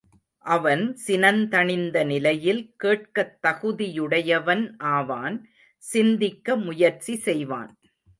அவன் சினந் தணிந்த நிலையில் கேட்கத் தகுதியுடையவன் ஆவான் சிந்திக்க முயற்சி செய்வான்.